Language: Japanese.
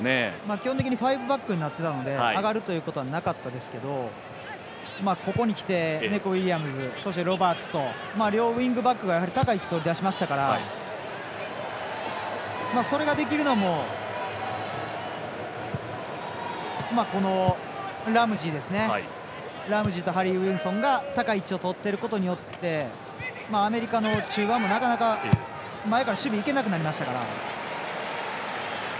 基本的にファイブバックになっていたので上がることはなかったですがここにきてネコ・ウィリアムズとロバーツと両ウィングバックが高い位置をとりだしましたからそれができるのもラムジーとハリー・ウィルソンが高い位置をとっていることによってアメリカの中盤も前から守備いけなくなりましたから。